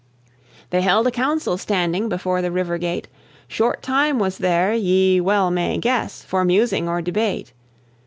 They held a council standing Before the River Gate; Short time was there, ye well may guess, For musing or debate.